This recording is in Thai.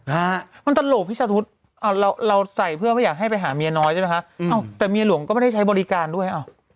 ไม่จังมันตลกพิชาทุศเราใส่เพื่อว่าอยากให้ไปหาเมียน้อยใช่ไหมคะแต่เมียหลวงก็ไม่ได้ใช้บริการด้วย